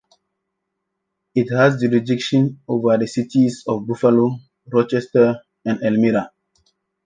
It has jurisdiction over the cities of Buffalo, Rochester, and Elmira.